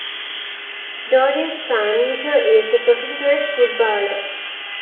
Doughty's son Michael is a professional footballer.